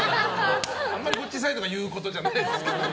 あんまりこっちサイドが言うことじゃないですけどね。